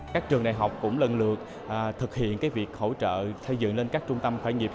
các trường đại học cũng lần lượt thực hiện việc hỗ trợ xây dựng lên các trung tâm khởi nghiệp